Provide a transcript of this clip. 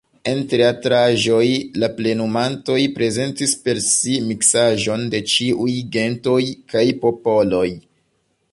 En teatraĵoj la plenumantoj prezentis per si miksaĵon de ĉiuj gentoj kaj popoloj.